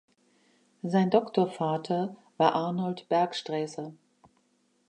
Sein Doktorvater war Arnold Bergstraesser.